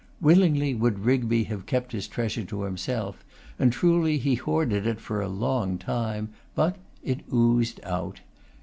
Willingly would Rigby have kept his treasure to himself; and truly he hoarded it for a long time, but it oozed out.